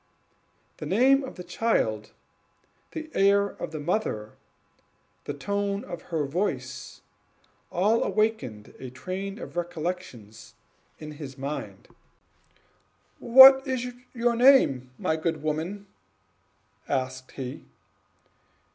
The name of the child, the air of the mother, the tone of her voice, all awakened a train of recollections in his mind. "What is your name, my good woman?" asked he.